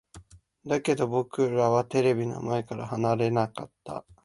だけど、僕らはテレビの前から離れなかった。